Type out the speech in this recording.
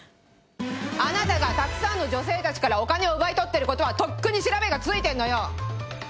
あなたがたくさんの女性たちからお金を奪い取ってることはとっくに調べがついてんのよ！